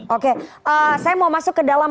oke saya mau masuk ke dalam